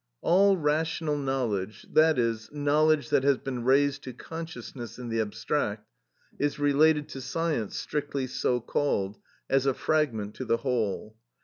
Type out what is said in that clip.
All rational knowledge, that is, knowledge that has been raised to consciousness in the abstract, is related to science strictly so called, as a fragment to the whole.